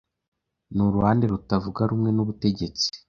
n'uruhande rutavuga rumwe n'ubutegetsi